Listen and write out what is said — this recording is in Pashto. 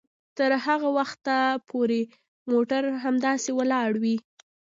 تر هغه وخته پورې موټر همداسې ولاړ وي